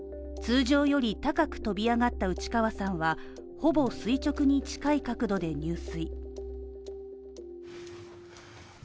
通常より高く飛び上がった内川さんは、ほぼ垂直に近い角度で入水。